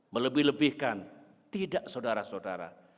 melebih lebihkan tidak saudara saudara